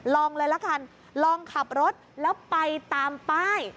ลองเลยละกันลองขับรถแล้วไปตามป้าย